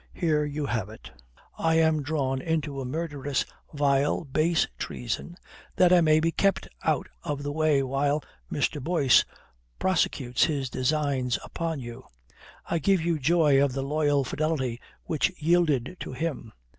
"Here you have it. I am drawn into a murderous, vile, base treason that I may be kept out of the way while Mr. Boyce prosecutes his designs upon you. I give you joy of the loyal fidelity which yielded to him.